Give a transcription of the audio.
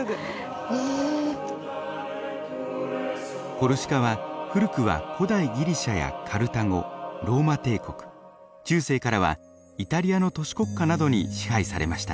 コルシカは古くは古代ギリシャやカルタゴローマ帝国中世からはイタリアの都市国家などに支配されました。